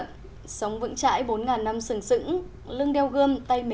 trong giới nhiếp ảnh việt nam